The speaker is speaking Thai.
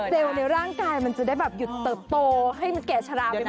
เซลล์ในร่างกายมันจะได้อยู่เตอร์โตให้มันแก่ชะลาไปมากกว่านี้